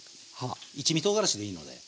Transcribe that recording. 一味とうがらしでいいので。